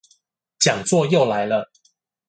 講座又來了